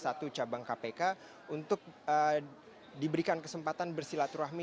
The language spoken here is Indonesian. rutan kultura pilihan cabang kpk untuk diberikan kesempatan bersilaturahmi